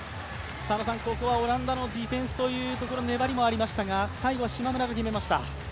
ここはオランダのディフェンスもありましたが最後、島村が決めました。